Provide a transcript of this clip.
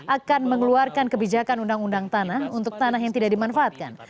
akan mengeluarkan kebijakan undang undang tanah untuk tanah yang tidak dimanfaatkan